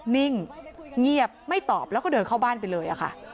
นิ่งเงียบไม่ตอบแล้วก็เดินเข้าบ้านไปเลยค่ะ